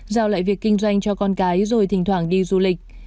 giao lại việc kinh doanh cho con cái rồi thỉnh thoảng đi du lịch